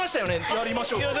やりましょうって。